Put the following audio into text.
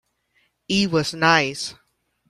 E was nice.